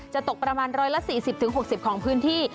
จะตกประมาณ๑๔๐๖๐ของพื้นที่